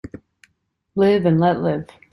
Live and let live.